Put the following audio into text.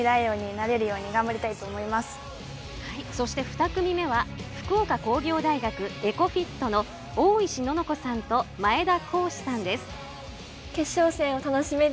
そして２組目は福岡工業大学エコＦＩＴの大石望乃子さんと前田高志さんです。